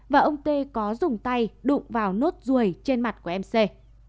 vì mc là học sinh giỏi nên lâu nay luôn được quý mến